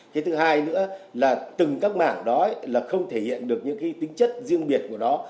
cái thứ hai nữa là từng các mảng đó là không thể hiện được những cái tính chất riêng biệt của nó